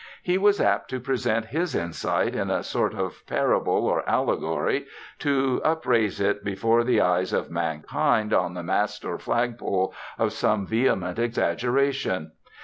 He was apt to present his insight in a sort of parable or allegory, to upraise it before the eyes of mankind on the mast or flagpole of some vehement exaggeration.